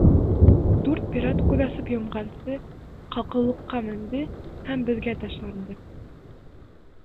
Дүрт пират күҙ асып йомғансы ҡалҡыулыҡҡа менде һәм беҙгә ташланды.